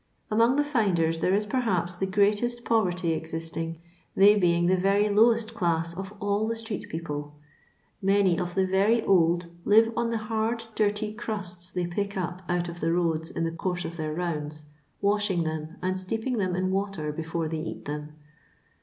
Among the finders there is perhaps the greatest poTerty existing, they being the Tery lowest class of idl the street people. Many of the Tory old live on the hard dirty cmsta they pick up out of the roads in the course of their rounds, washing them and steeping them in water before they eat them.